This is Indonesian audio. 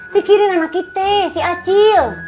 pikirin anak kita si acil